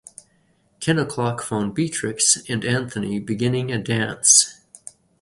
Ten o'clock found Beatrix and Anthony beginning a dance.